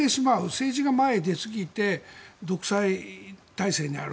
政治が前に出すぎて独裁体制にある。